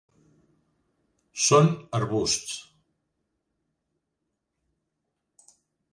Són arbusts.